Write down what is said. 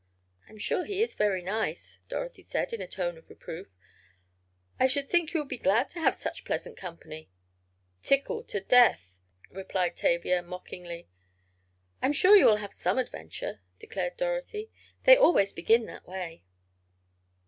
"I'm sure he is very nice," Dorothy said, in a tone of reproof. "I should think you would be glad to have such pleasant company." "Tickled to death!" replied Tavia, mockingly. "I'm sure you will have some adventure," declared Dorothy. "They always begin that way."